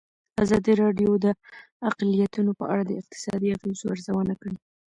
ازادي راډیو د اقلیتونه په اړه د اقتصادي اغېزو ارزونه کړې.